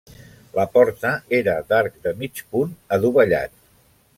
La porta era d'arc de mig punt adovellat.